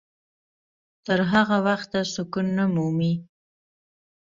تر هغه وخته سکون نه مومي.